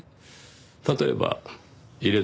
例えば入れ墨。